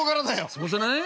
そうじゃない？